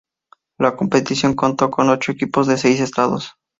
La competición contó con ocho equipos de seis estados.